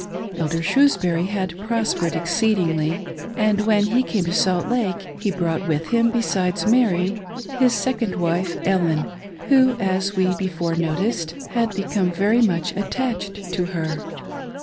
Elder Shrewsbury had prospered exceedingly, and when he came to Salt Lake he brought with him, besides Mary, his second wife, Ellen, who, as we before noticed, had become very much attached to her.